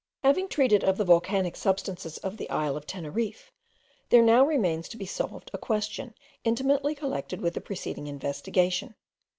Having treated of the volcanic substances of the isle of Teneriffe, there now remains to be solved a question intimately connected with the preceding investigation.